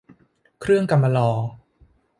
เครื่องกำมะลอ